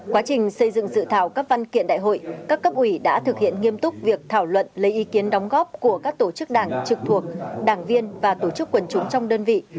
quá trình xây dựng dự thảo các văn kiện đại hội các cấp ủy đã thực hiện nghiêm túc việc thảo luận lấy ý kiến đóng góp của các tổ chức đảng trực thuộc đảng viên và tổ chức quần chúng trong đơn vị